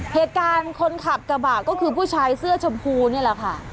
คนขับกระบะก็คือผู้ชายเสื้อชมพูนี่แหละค่ะ